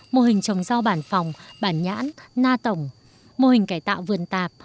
mô hình trồng rau bản phòng bản nhãn na tổng mô hình cải tạo vườn tạp